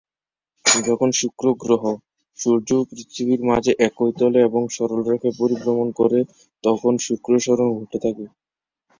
যখন শুক্র গ্রহ, সূর্য ও পৃথিবীর মাঝে একই তলে এবং সরলরেখায় পরিভ্রমণ করে তখন শুক্র সরণ ঘটে থাকে।